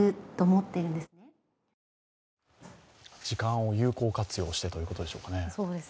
時間を有効活用してということでしょうかね。